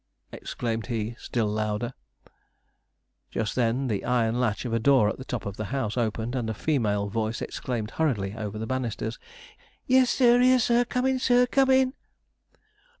exclaimed he, still louder. Just then, the iron latch of a door at the top of the house opened, and a female voice exclaimed hurriedly over the banisters: 'Yes, sir! here, sir! comin' sir! comin'!'